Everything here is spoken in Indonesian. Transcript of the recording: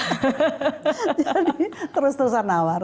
jadi terus terusan nawar